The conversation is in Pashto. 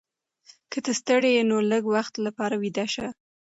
که ته ستړې یې نو لږ وخت لپاره ویده شه.